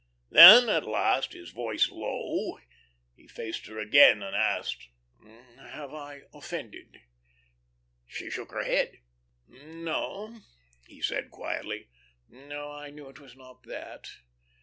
Then at last, his voice low, he faced her again and asked: "Have I offended?" She shook her head. "No," he said, quietly. "No, I knew it was not that."